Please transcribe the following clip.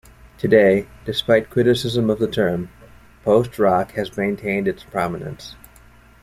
Today, despite criticism of the term, post-rock has maintained its prominence.